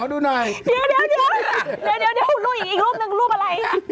เดี๋ยวลูกอีกรูปนึงรูปอะไร